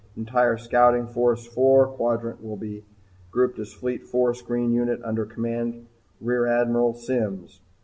Entire Scouting Force IV quadrant will be grouped as Fleet Four Screen Unit under command Rear Admiral SIMMS.